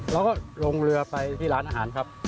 เราก็ลงเรือไปที่ร้านอาหารครับ